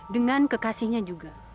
dengan kekasihnya juga